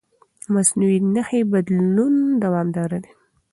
د مصنوعي نښې بدلون دوامداره دی.